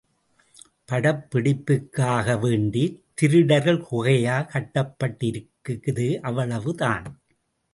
படப்பிடிப்புக்காக வேண்டி திருடர்கள் குகையா கட்டப்பட்டிருக்குது – அவ்வளவு தான்!